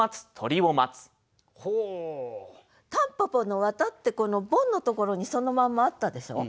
「蒲公英の絮」ってボンのところにそのまんまあったでしょ？